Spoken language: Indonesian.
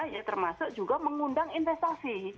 ya termasuk juga mengundang investasi